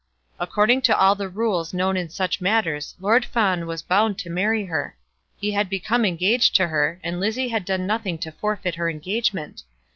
According to all the rules known in such matters Lord Fawn was bound to marry her. He had become engaged to her, and Lizzie had done nothing to forfeit her engagement.